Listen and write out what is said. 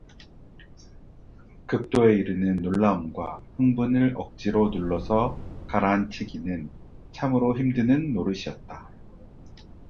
극도에 이르는 놀라움과 흥분을 억지로 눌러서 가라앉히기는 참으로 힘드는 노릇이었다.